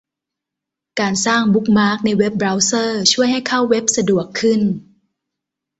การสร้างบุ๊คมาร์คในเว็บเบราว์เซอร์ช่วยให้เข้าเว็บสะดวกขึ้น